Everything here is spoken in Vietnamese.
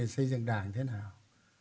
xây dựng đảng thế nào